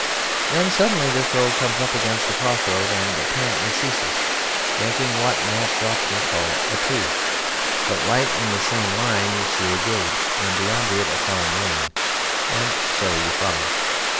Then suddenly this road comes up against a cross road and apparently ceases, making what map draughtsmen call a "T"; but right in the same line you see a gate, and beyond it a farm lane, and so you follow.